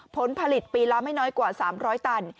ผลผลิตปีละไม่น้อยกว่า๓๐๐ตัน